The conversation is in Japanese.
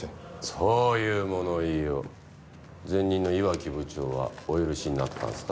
そういう物言いを前任の磐城部長はお許しになってたんですか？